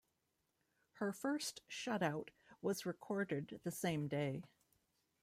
Her first shutout was recorded the same day.